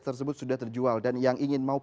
tersebut sudah terjual dan yang ingin mau